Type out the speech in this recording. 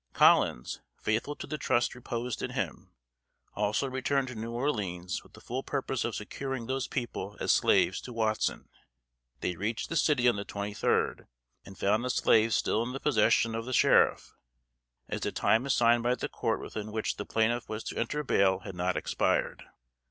Collins, faithful to the trust reposed in him, also returned to New Orleans with the full purpose of securing those people as slaves to Watson. They reached the city on the twenty third, and found the slaves still in the possession of the Sheriff; as the time assigned by the court within which the plaintiff was to enter bail had not expired.